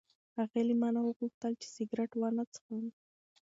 هغې له ما نه وغوښتل چې سګرټ ونه څښم.